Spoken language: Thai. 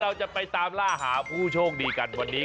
เราจะไปตามล่าหาผู้โชคดีกันวันนี้